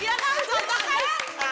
ya kan cocok kan